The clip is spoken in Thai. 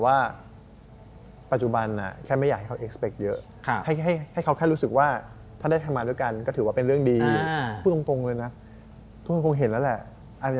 อาจจะมีทางมาร่วมกันอีกนะ